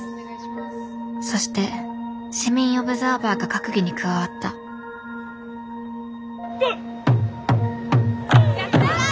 そして市民オブザーバーが閣議に加わったハッ！